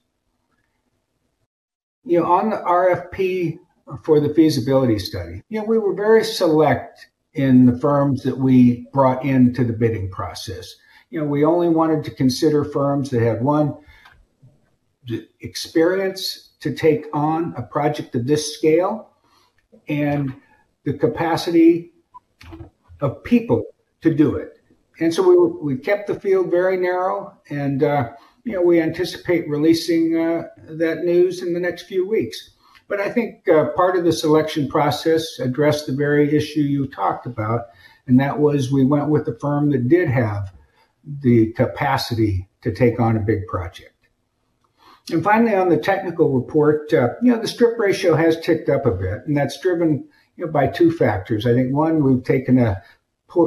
On the RFP for the feasibility study, we were very select in the firms that we brought into the bidding process. We only wanted to consider firms that had the experience to take on a project of this scale and the capacity of people to do it. And so we kept the field very narrow, and we anticipate releasing that news in the next few weeks. But I think part of the selection process addressed the very issue you talked about, and that was we went with the firm that did have the capacity to take on a big project. And finally, on the technical report, the strip ratio has ticked up a bit, and that's driven by two factors. I think one, we've taken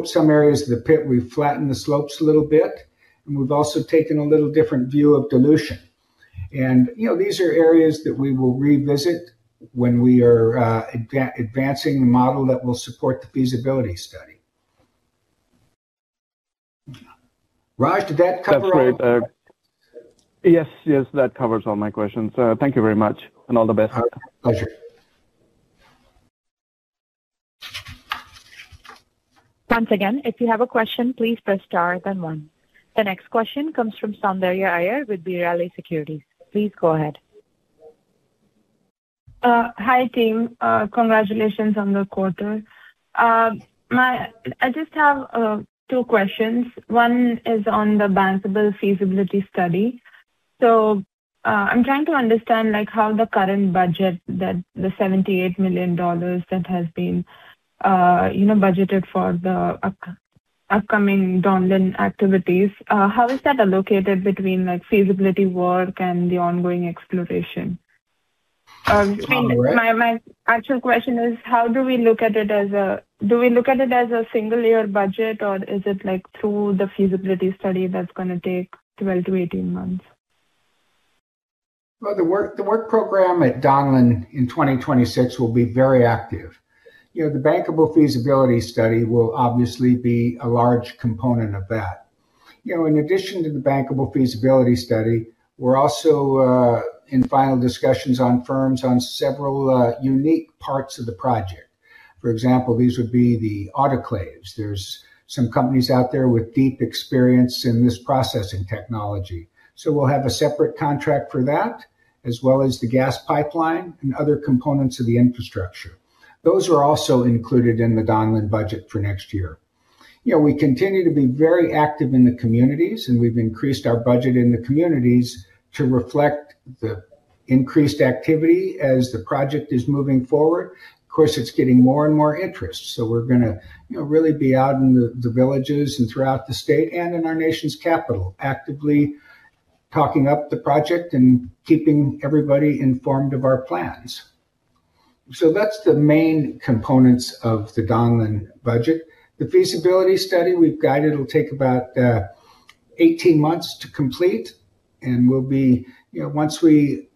some areas of the pit, we've flattened the slopes a little bit, and we've also taken a little different view of dilution. And these are areas that we will revisit when we are advancing the model that will support the feasibility study. Raj, did that cover all? Yes, yes, that covers all my questions. Thank you very much and all the best. Pleasure. Once again, if you have a question, please press star then one. The next question comes from Soundarya Iyer with B. Riley Securities. Please go ahead. Hi, team. Congratulations on the quarter. I just have two questions. One is on the bankable feasibility study. So I'm trying to understand how the current budget, the $78 million that has been budgeted for the upcoming Donlin activities, how is that allocated between feasibility work and the ongoing exploration? My actual question is, how do we look at it as a single-year budget, or is it through the feasibility study that's going to take 12-18 months? The work program at Donlin in 2026 will be very active. The bankable feasibility study will obviously be a large component of that. In addition to the bankable feasibility study, we're also in final discussions with firms on several unique parts of the project. For example, these would be the autoclaves. There's some companies out there with deep experience in this processing technology. So we'll have a separate contract for that, as well as the gas pipeline and other components of the infrastructure. Those are also included in the Donlin budget for next year. We continue to be very active in the communities, and we've increased our budget in the communities to reflect the increased activity as the project is moving forward. Of course, it's getting more and more interest. So we're going to really be out in the villages and throughout the state and in our nation's capital, actively talking up the project and keeping everybody informed of our plans. So that's the main components of the Donlin budget. The feasibility study, we've guided it'll take about 18 months to complete, and once we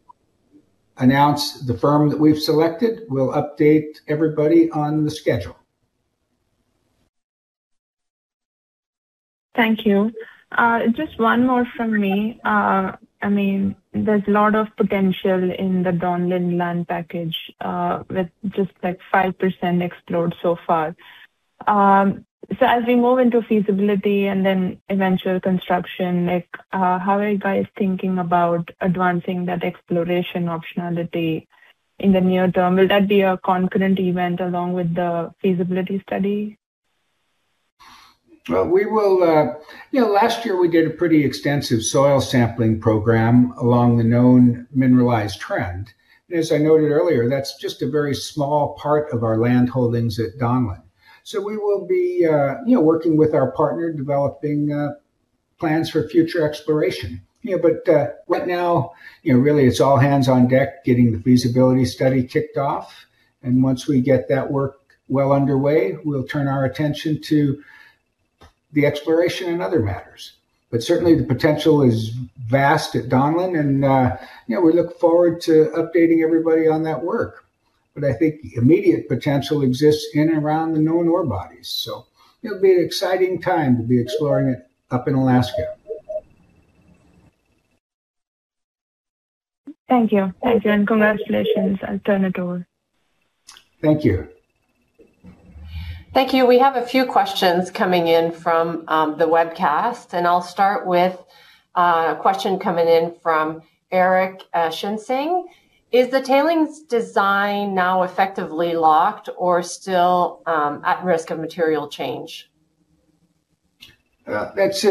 announce the firm that we've selected, we'll update everybody on the schedule. Thank you. Just one more from me. I mean, there's a lot of potential in the Donlin land package with just like 5% explored so far. So as we move into feasibility and then eventual construction, how are you guys thinking about advancing that exploration optionality in the near term? Will that be a concurrent event along with the feasibility study? Last year, we did a pretty extensive soil sampling program along the known mineralized trend. And as I noted earlier, that's just a very small part of our land holdings at Donlin. So we will be working with our partner developing plans for future exploration. But right now, really, it's all hands on deck getting the feasibility study kicked off. And once we get that work well underway, we'll turn our attention to the exploration and other matters. But certainly, the potential is vast at Donlin, and we look forward to updating everybody on that work. But I think immediate potential exists in and around the known ore bodies. So it'll be an exciting time to be exploring it up in Alaska. Thank you. Thank you and congratulations. I'll turn it over. Thank you. Thank you. We have a few questions coming in from the webcast, and I'll start with a question coming in from Eric Schinsing. Is the tailings design now effectively locked or still at risk of material change? That's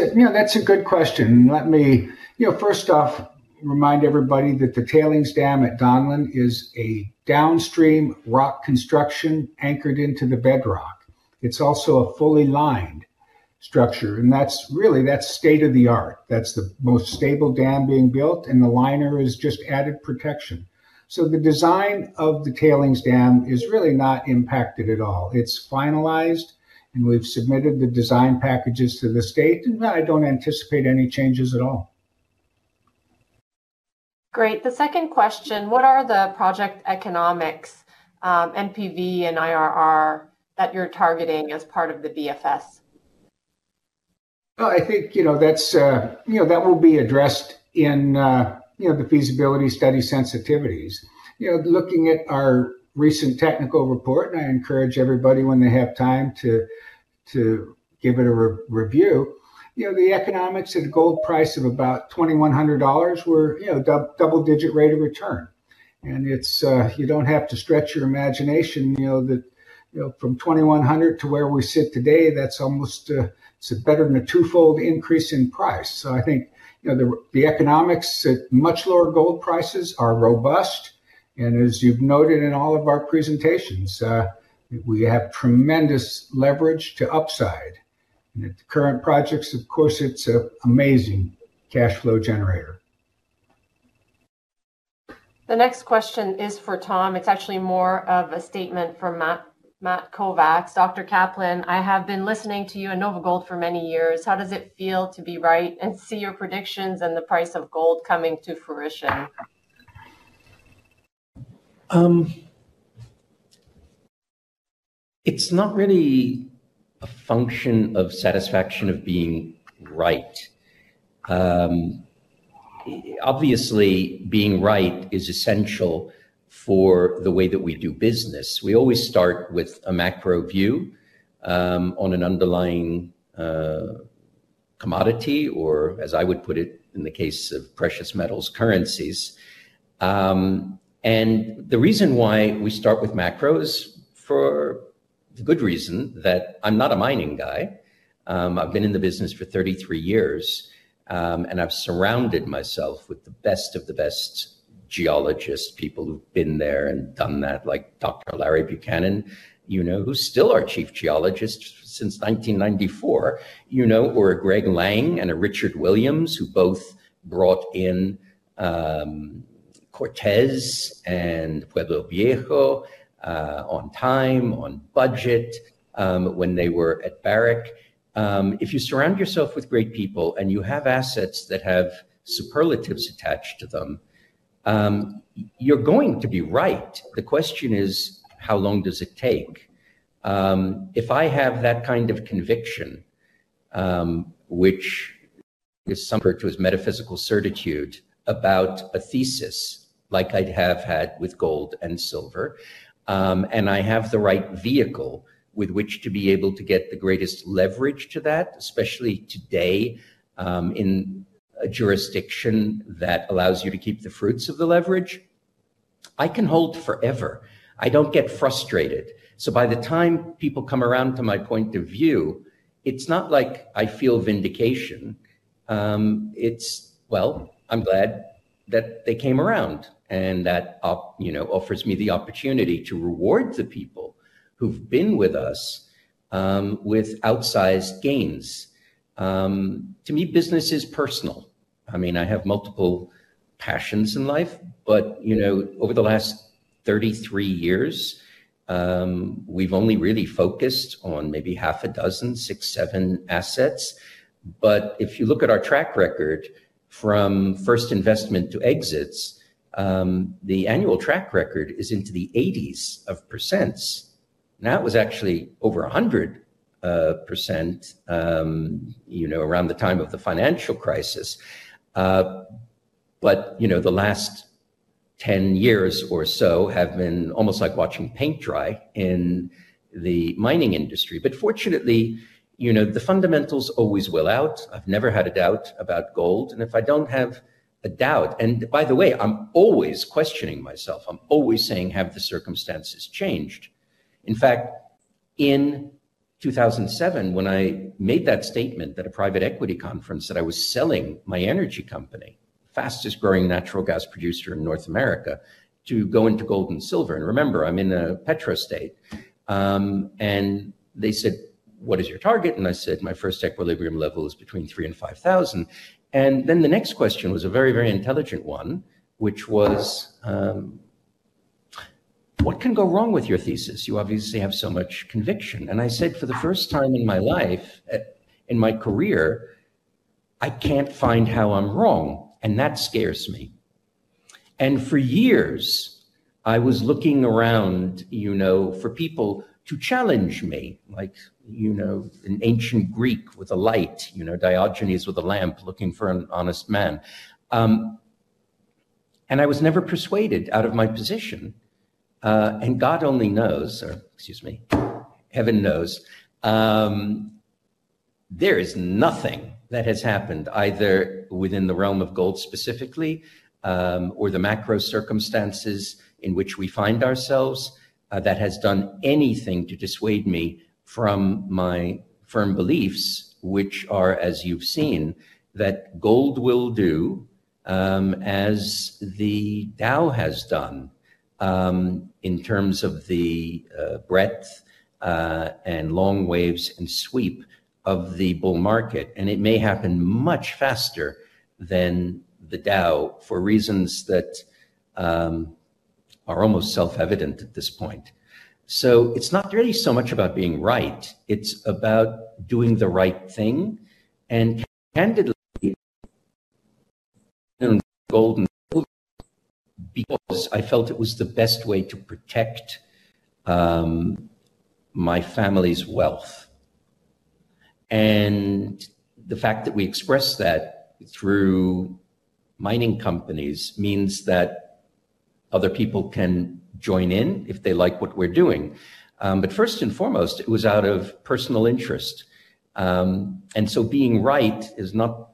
a good question. Let me first off remind everybody that the tailings dam at Donlin is a downstream rock construction anchored into the bedrock. It's also a fully lined structure, and really, that's state of the art. That's the most stable dam being built, and the liner is just added protection, so the design of the tailings dam is really not impacted at all. It's finalized, and we've submitted the design packages to the state, and I don't anticipate any changes at all. Great. The second question, what are the project economics, NPV, and IRR that you're targeting as part of the BFS? Well, I think that will be addressed in the feasibility study sensitivities. Looking at our recent technical report, and I encourage everybody when they have time to give it a review, the economics at a gold price of about $2,100 were a double-digit rate of return. And you don't have to stretch your imagination that from $2,100 to where we sit today, that's almost a better than a twofold increase in price. So I think the economics at much lower gold prices are robust. And as you've noted in all of our presentations, we have tremendous leverage to upside. And at the current price, of course, it's an amazing cash flow generator. The next question is for Tom. It's actually more of a statement from Matt Kovacs. Dr. Kaplan, I have been listening to you and NOVAGOLD for many years. How does it feel to be right and see your predictions and the price of gold coming to fruition? It's not really a function of satisfaction of being right. Obviously, being right is essential for the way that we do business. We always start with a macro view on an underlying commodity, or as I would put it in the case of precious metals, currencies, and the reason why we start with macro is for the good reason that I'm not a mining guy. I've been in the business for 33 years, and I've surrounded myself with the best of the best geologists, people who've been there and done that, like Dr. Larry Buchanan, who's still our Chief Geologist since 1994, or Greg Lang and Richard Williams, who both brought in Cortez and Pueblo Viejo on time, on budget when they were at Barrick. If you surround yourself with great people and you have assets that have superlatives attached to them, you're going to be right. The question is, how long does it take? If I have that kind of conviction, which is somewhat metaphysical certitude about a thesis like I'd have had with gold and silver, and I have the right vehicle with which to be able to get the greatest leverage to that, especially today in a jurisdiction that allows you to keep the fruits of the leverage, I can hold forever. I don't get frustrated. So by the time people come around to my point of view, it's not like I feel vindication. It's, well, I'm glad that they came around and that offers me the opportunity to reward the people who've been with us with outsized gains. To me, business is personal. I mean, I have multiple passions in life, but over the last 33 years, we've only really focused on maybe half a dozen, six, seven assets. But if you look at our track record from first investment to exits, the annual track record is into the 80%s. Now it was actually over 100% around the time of the financial crisis. But the last 10 years or so have been almost like watching paint dry in the mining industry. But fortunately, the fundamentals always will out. I've never had a doubt about gold. And if I don't have a doubt, and by the way, I'm always questioning myself. I'm always saying, "Have the circumstances changed?" In fact, in 2007, when I made that statement at a private equity conference that I was selling my energy company, the fastest growing natural gas producer in North America, to go into gold and silver. And remember, I'm in a petro state. They said, "What is your target?" And I said, "My first equilibrium level is between $3,000 and $5,000." And then the next question was a very, very intelligent one, which was, "What can go wrong with your thesis? You obviously have so much conviction." And I said, "For the first time in my life, in my career, I can't find how I'm wrong, and that scares me." And for years, I was looking around for people to challenge me, like an ancient Greek with a light, Diogenes with a lamp, looking for an honest man. And I was never persuaded out of my position. And God only knows, or excuse me, heaven knows. There is nothing that has happened either within the realm of gold specifically or the macro circumstances in which we find ourselves that has done anything to dissuade me from my firm beliefs, which are, as you've seen, that gold will do as the Dow has done in terms of the breadth and long waves and sweep of the bull market. And it may happen much faster than the Dow for reasons that are almost self-evident at this point. So it's not really so much about being right. It's about doing the right thing. And candidly, going in because I felt it was the best way to protect my family's wealth. And the fact that we express that through mining companies means that other people can join in if they like what we're doing. But first and foremost, it was out of personal interest. And so being right is not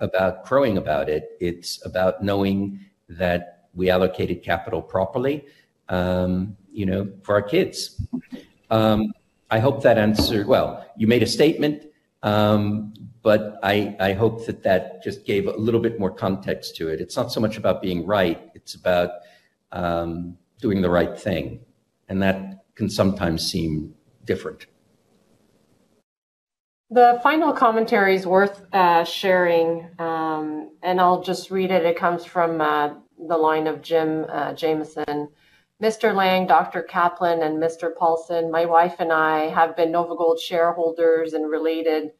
about crowing about it. It's about knowing that we allocated capital properly for our kids. I hope that answered. Well, you made a statement, but I hope that that just gave a little bit more context to it. It's not so much about being right. It's about doing the right thing. And that can sometimes seem different. The final commentary is worth sharing, and I'll just read it. It comes from the line of Jim Jameson. Mr. Lang, Dr. Kaplan, and Mr. Paulson, my wife and I have been NOVAGOLD shareholders and related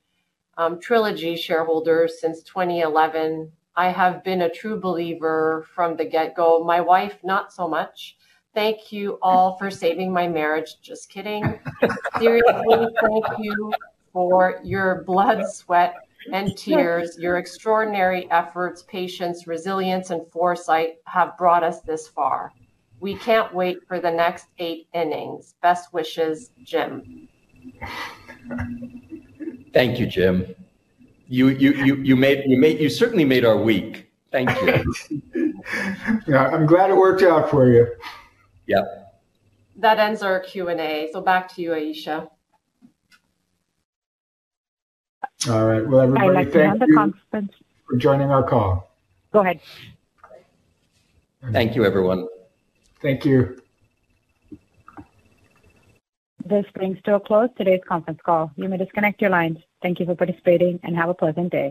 Trilogy shareholders since 2011. I have been a true believer from the get-go. My wife, not so much. Thank you all for saving my marriage. Just kidding. Seriously, thank you for your blood, sweat, and tears. Your extraordinary efforts, patience, resilience, and foresight have brought us this far. We can't wait for the next eight innings. Best wishes, Jim. Thank you, Jim. You certainly made our week. Thank you. Yeah. I'm glad it worked out for you. Yep. That ends our Q&A. So back to you, Aisha. All right. Well, everybody, thank you for joining our call. Go ahead. Thank you, everyone. Thank you. This brings to a close today's conference call. You may disconnect your lines. Thank you for participating and have a pleasant day.